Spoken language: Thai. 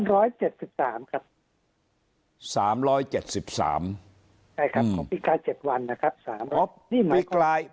ของปีกลาย๗วันนะครับ